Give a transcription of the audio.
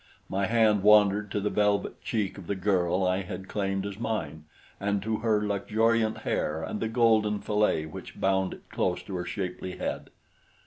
My hand wandered to the velvet cheek of the girl I had claimed as mine, and to her luxuriant hair and the golden fillet which bound it close to her shapely head.